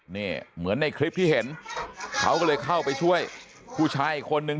นี่เหมือนในคลิปที่เห็นเขาก็เลยเข้าไปช่วยผู้ชายอีกคนนึง